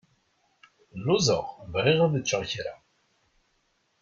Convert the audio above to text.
Luẓeɣ, bɣiɣ ad ččeɣ kra.